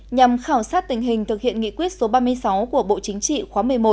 nhằm khảo sát tình hình thực hiện nghị quyết số ba mươi sáu của bộ chính trị khóa một mươi một